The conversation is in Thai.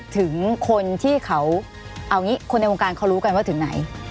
ถึงคนที่เขาเอางี้คนในวงการเขารู้กันว่าถึงไหน